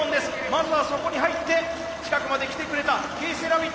まずはそこに入って近くまで来てくれたＫセラビットに。